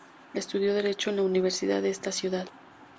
Estudió Derecho en la Universidad de esta ciudad.